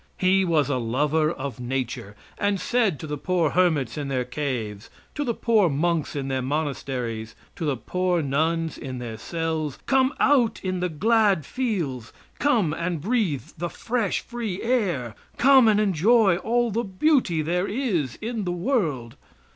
He was a lover of nature, and said to the poor hermits in their caves, to the poor monks in their monasteries, to the poor nuns in their cells: "Come out in the glad fields; come and breathe the fresh, free air; come and enjoy all the beauty there is in the world.